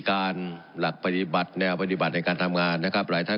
การหลักปฏิบัติแนวปฏิบัติในการทำงานนะครับหลายท่าน